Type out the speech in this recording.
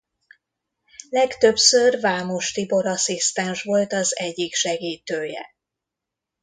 Legtöbbször Vámos Tibor asszisztens volt az egyik segítője.